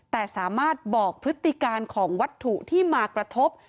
แต่สามารถบอกพฤติการของวัตถุที่มากระทบ